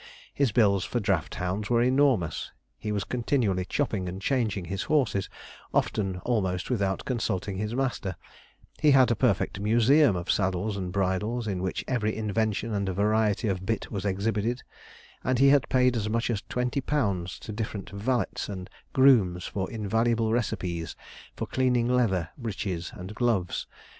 His bills for draft hounds were enormous; he was continually chopping and changing his horses, often almost without consulting his master; he had a perfect museum of saddles and bridles, in which every invention and variety of bit was exhibited; and he had paid as much as twenty pounds to different 'valets' and grooms for invaluable recipes for cleaning leather breeches and gloves.